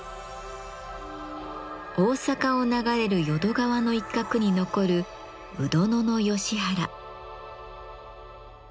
大阪を流れる淀川の一角に残る「鵜殿のヨシ原」。